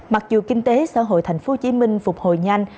mặc dù kinh tế xã hội tp hcm phục hồi nhanh